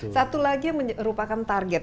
satu lagi yang merupakan target